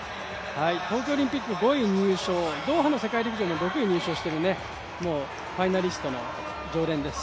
東京オリンピック５位入賞ドーハの世界大会も６位入賞しているもうファイナリストの常連です。